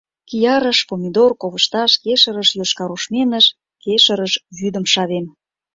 Киярыш, помидор, ковышташ, кешырыш, йошкарушменыш, кешырыш вӱдым шавем.